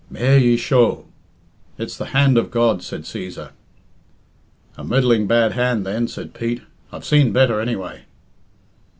"Mair yee shoh it's the hand of God," said Cæsar. "A middling bad hand then," said Pete; "I've seen better, anyway."